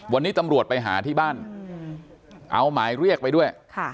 วันนี้ตำรวจไปหาที่บ้านเอาหมายเรียกไปด้วย